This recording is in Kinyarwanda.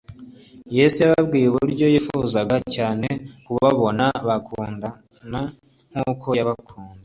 Yesu yababwiye uburyo yifuzaga cyane kubabona bakundana nk'uko yabakunze.